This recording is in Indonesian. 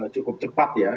cukup cepat ya